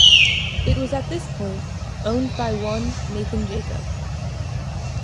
It was at this point owned by one Nathan Jacob.